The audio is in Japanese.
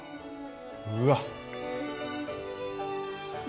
うわっ。